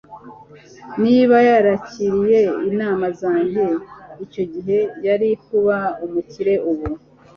Niba yarakiriye inama zanjye icyo gihe, yari kuba umukire ubu.